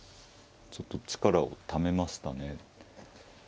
ちょっと力をためましたね。